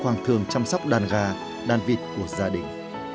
hoàng thường chăm sóc đàn gà đàn vịt của gia đình